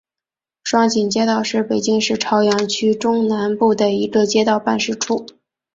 双井街道是北京市朝阳区中南部的一个街道办事处。